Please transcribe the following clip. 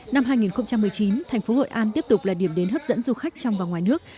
năm hai nghìn một mươi chín thành phố hội an tiếp tục là điểm đến hấp dẫn du khách trong và ngoài nước